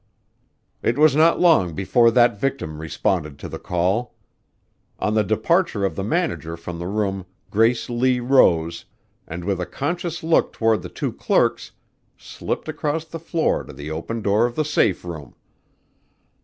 It was not long before that victim responded to the call. On the departure of the manager from the room Grace Lee rose, and with a conscious look toward the two clerks, slipped across the floor to the open door of the safe room.